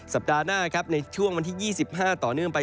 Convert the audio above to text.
สัปดาห์หน้าครับในช่วงวันที่๒๕ต่อเนื่องไป